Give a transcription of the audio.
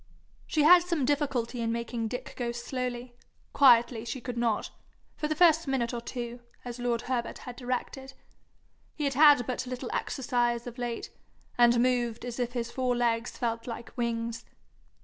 She had some difficulty in making Dick go slowly quietly she could not for the first minute or two, as lord Herbert had directed. He had had but little exercise of late, and moved as if his four legs felt like wings.